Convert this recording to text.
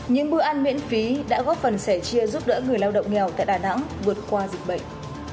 những bữa ăn miễn phí đã góp phần sẻ chia giúp đỡ người lao động nghèo tại đà nẵng vượt qua dịch bệnh